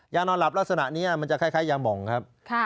ยานอนหลับลักษณะนี้มันจะคล้ายยามองครับ